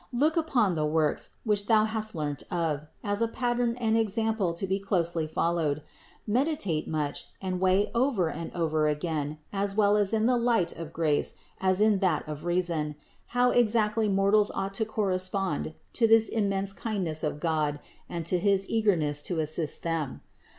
Look upon the works, which thou hast learnt of, as a pattern and example to be closely followed. Meditate much, and weigh over and over again as well in the light of grace 2 5 46 CITY OF GOD as in that of reason, how exactly mortals ought to cor respond to this immense kindness of God and to his eagerness to assist them.